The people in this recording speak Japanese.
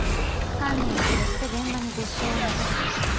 犯人は決して現場に物証を残していない。